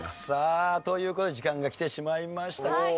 さあという事で時間が来てしまいました。